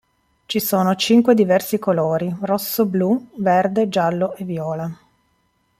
Ci sono cinque diversi colori: rosso, blu, verde, giallo e viola.